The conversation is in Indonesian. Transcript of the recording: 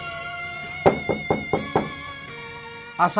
kau kan enggak sih